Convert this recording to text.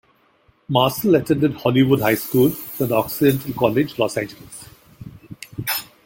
Marcel attended Hollywood High School, then Occidental College, Los Angeles.